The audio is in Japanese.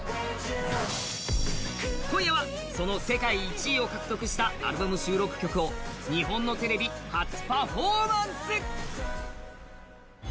今夜はその世界１位を獲得したアルバム収録曲を日本のテレビ初パフォーマンス！